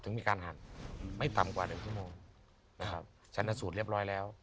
มีการหั่นไม่ต่ำกว่าหนึ่งชั่วโมงนะครับชนะสูตรเรียบร้อยแล้ว